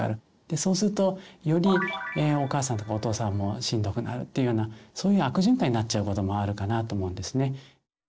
そうするとよりお母さんとかお父さんもしんどくなるっていうようなそういう悪循環になっちゃうこともあるかなと思うんですね。